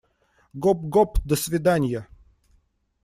Гоп-гоп, до свиданья!